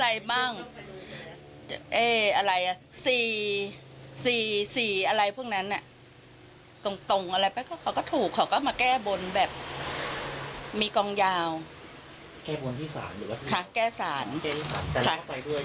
แก้บนที่ศาลหรือว่าที่ค่ะแก้ศาลแก้ศาลแต่เขาไปด้วยใช่ไหม